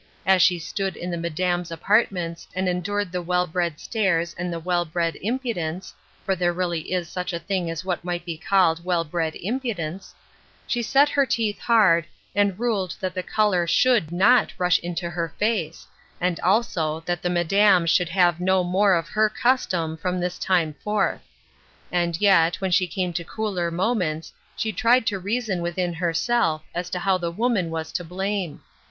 As she stood in the " Madame's " apartments and en dured the well bred stares and the well bred im pudence — for there really is such a thing as what might be called well bred impudence — she set her teeth hard, and ruled that the color should not rush 340 Ruth Erskine's Crosses, into her face, and, also, that the " Madame " should have no more of her custom, from this time forth And yet, when she came to cooler moments, she tried to reason within herself, as to how the woman was to blame.